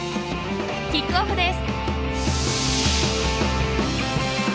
キックオフです。